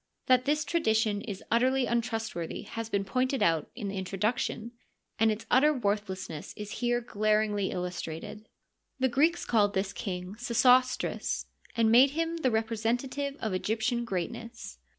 That this tradition is utterly untrustworthy has been pointed out in the introduction, and its utter worthlessness is here glar ingly illustrated. The Greeks called this king Sesostrts, and made him the representative of Egyptian greatness.